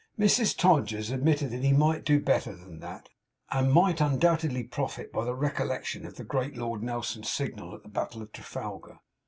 Mrs Todgers admitted that he might do better than that; and might undoubtedly profit by the recollection of the great Lord Nelson's signal at the battle of Trafalgar.